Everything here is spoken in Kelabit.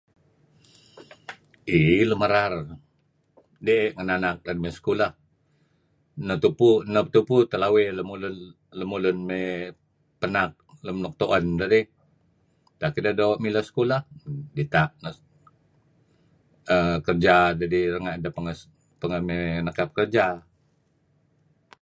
Yie lun merar deh kinanak me' sekulah neh tupu neh tupu teh lawe lemulun lemulun me' penak lem nuk tu'en deh dih ken deh do mileh lam sekulah dita um kerja deh dih ranga pengeh me' mekap kerja